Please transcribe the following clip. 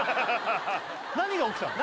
何が起きたの？